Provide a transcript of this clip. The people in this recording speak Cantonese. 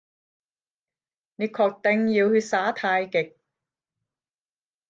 你確定要去耍太極？